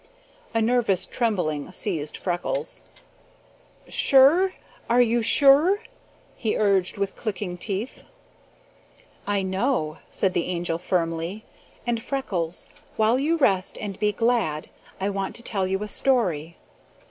A nervous trembling seized Freckles. "Sure? Are you sure?" he urged with clicking teeth. "I know," said the Angel firmly. "And Freckles, while you rest and be glad, I want to tell you a story.